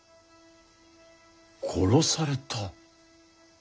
殺された？